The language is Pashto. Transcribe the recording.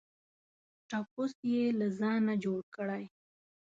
ټپوس یې له ځانه جوړ کړی.